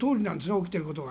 起きていることが。